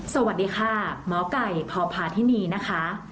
สวัสดีค่ะหมอไก่พพาธินีนะคะ